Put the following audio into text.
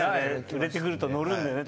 売れてくると乗るんだよね